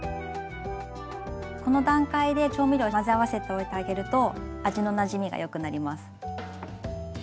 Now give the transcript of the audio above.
この段階で調味料混ぜ合わせておいてあげると味のなじみがよくなります。